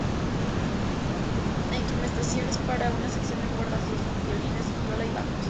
La instrumentación es para una sección de cuerdas: dos violines, viola, y bajos.